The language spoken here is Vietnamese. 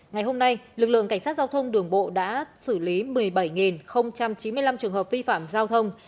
ngày hôm nay lực lượng cảnh sát giao thông đường bộ đã xử lý một mươi bảy chín mươi năm trường hợp vi phạm giao thông